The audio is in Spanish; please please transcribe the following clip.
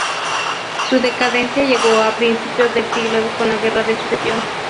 Su decadencia llegó a principios del siglo con la Guerra de Sucesión.